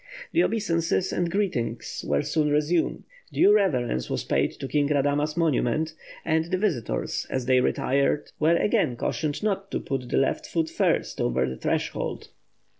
The obeisances and greetings were then resumed, due reverence was paid to King Radama's monument, and the visitors, as they retired, were again cautioned not to put the left foot first over the threshold.